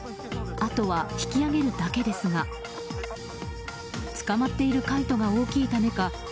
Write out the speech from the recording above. あとは引き上げるだけですがつかまっているカイトが大きいためか